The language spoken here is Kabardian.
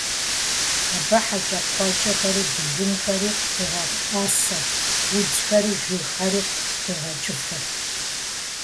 Абы хьэкӀэкхъуэкӀэхэри, былымхэри къигъэӀэсэрт, удзхэри, жыгхэри къигъэкӀыфырт.